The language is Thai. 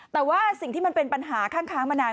แต่ว่าสิ่งที่มันเป็นปัญหาข้างค้างมานาน